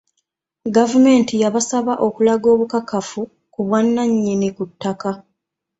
Gavumenti yabasaba okulaga obukakafu ku bwannannyini ku ttaka.